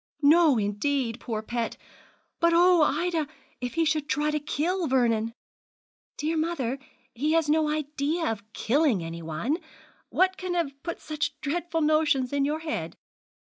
'No, indeed, poor pet. But oh! Ida, if he should try to kill Vernon!' 'Dear mother, he has no idea of killing anyone. What can have put such dreadful notions in your head?'